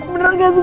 beneran gak sih